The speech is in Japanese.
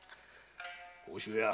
甲州屋。